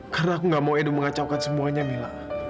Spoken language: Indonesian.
karena aku gak mau edo mengacaukan semuanya mila